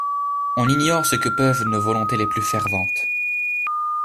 On ignore ce que peuvent nos volontés les plus ferventes.